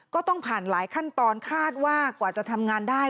ก็ต้องผ่านหลายขั้นตอนคาดว่ากว่าจะทำงานได้